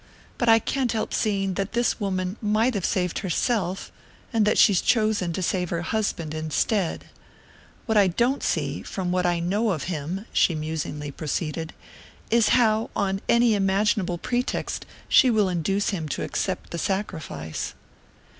But I can't help seeing that this woman might have saved herself and that she's chosen to save her husband instead. What I don't see, from what I know of him," she musingly proceeded, "is how, on any imaginable pretext, she will induce him to accept the sacrifice."